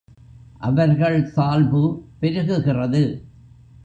அவர்கள் சால்பு பெருகுகிறது.